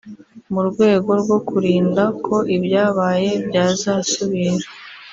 mu rwego rwo kurinda ko ibyabaye byazasubira